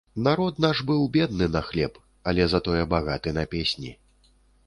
Наш род быў бедны на хлеб, але затое багаты на песні.